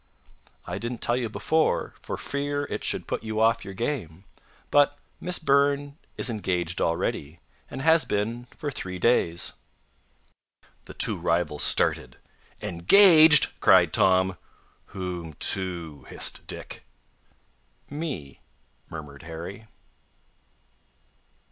"I didn't tell you before, for fear it should put you off your game; but Miss Burn is engaged already, and has been for three days." The two rivals started. "Engaged!" cried Tom. "Whom to?" hissed Dick. "Me," murmured Harry.